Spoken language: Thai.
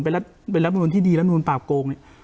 เป็นรัฐเป็นรัฐมนุนที่ดีรัฐมนุนปราบโกงเนี่ย